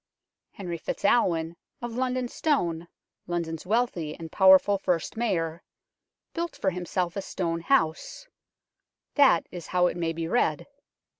Henry FitzAlwin of London Stone, London's LONDON STONE 135 wealthy and powerful first Mayor, built for him self a stone house that is how it may be read.